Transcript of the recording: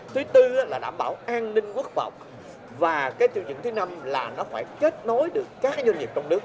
thứ tư là đảm bảo an ninh quốc phòng và cái tiêu dựng thứ năm là nó phải kết nối được các doanh nghiệp trong nước